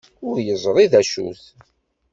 Ur yeẓri d acu-t?